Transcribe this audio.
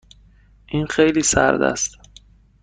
این خیلی سرد است.